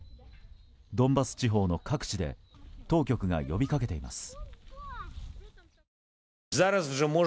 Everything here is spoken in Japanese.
ドンバス地方の各地で当局が呼びかけています。